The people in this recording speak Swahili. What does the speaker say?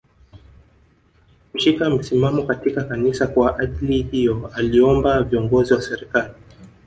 Kushika msimamo katika Kanisa Kwa ajili hiyo aliomba viongozi wa serikali